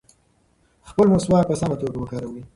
خپل مسواک په سمه توګه وکاروئ.